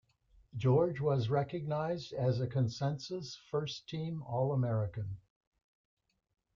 George was recognized as a consensus first-team All-American.